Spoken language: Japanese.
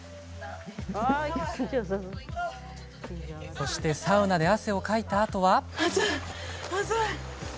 そしてサウナで汗をかいたあとは。